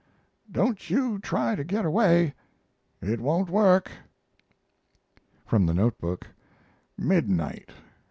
Don't you try to get away it won't work. From the note book: Midnight.